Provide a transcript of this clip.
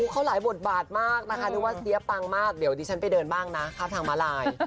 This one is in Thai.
เขาหลายบทบาทมากนะคะนึกว่าเสียปังมากเดี๋ยวดิฉันไปเดินบ้างนะข้ามทางมาลาย